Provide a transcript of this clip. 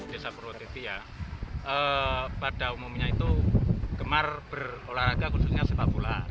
desa purworeti ya pada umumnya itu gemar berolahraga khususnya sepak bola